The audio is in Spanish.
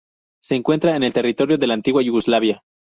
Se encuentra en el territorio de la antigua Yugoslavia.